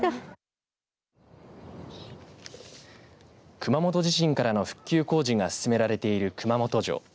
熊本地震からの復旧工事が進められている熊本城。